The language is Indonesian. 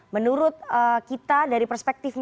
menurut kita dari perspektif